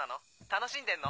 楽しんでんの？